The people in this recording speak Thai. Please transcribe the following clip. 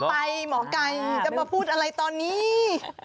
ไปหมอไก่จะมาพูดอะไรตอนนี้